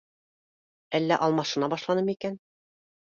— Әллә алмашына башланымы икән?